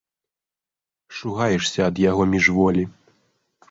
Шугаешся ад яго міжволі.